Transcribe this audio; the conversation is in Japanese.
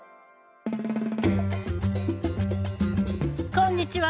こんにちは！